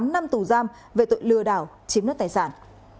tám năm tù giam về tội lừa đảo chiếm đất tài sản